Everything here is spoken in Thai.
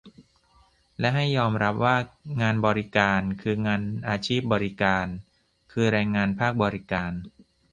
และให้ยอมรับว่า งานบริการ คืองานอาชีพบริการ คือแรงงานภาคบริการ